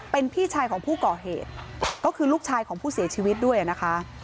เป็นพี่ชายของผู้ก่อเหตุก็คือลูกชายของผู้เสียชีวิตด้วยนะคะ